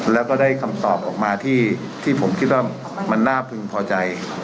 แล้วก็ได้คำตอบออกมาที่ผมคิดว่ามันน่าพึงพอใจ